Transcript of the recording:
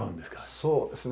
そうですね